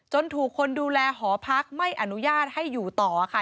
ถูกคนดูแลหอพักไม่อนุญาตให้อยู่ต่อค่ะ